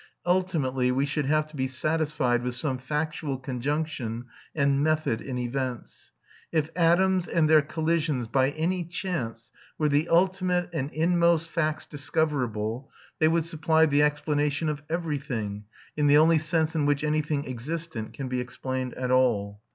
Ultimately we should have to be satisfied with some factual conjunction and method in events. If atoms and their collisions, by any chance, were the ultimate and inmost facts discoverable, they would supply the explanation of everything, in the only sense in which anything existent can be explained at all.